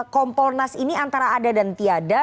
kompolnas ini antara ada dan tiada